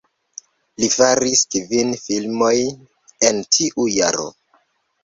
Li faris kvin filmojn en tiuj jaroj.